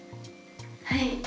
はい。